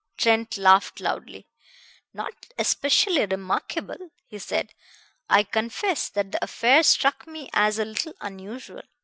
Trent laughed loudly. "Not especially remarkable!" he said. "I confess that the affair struck me as a little unusual."